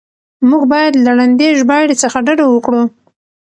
موږ بايد له ړندې ژباړې څخه ډډه وکړو.